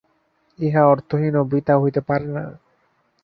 ইহা অর্থহীন ও বৃথা হইতে পারে না।